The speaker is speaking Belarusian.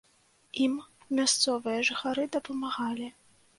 Ім мясцовыя жыхары дапамагалі.